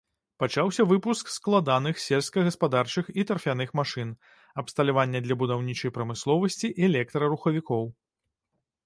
Пачаўся выпуск складаных сельскагаспадарчых і тарфяных машын, абсталявання для будаўнічай прамысловасці, электрарухавікоў.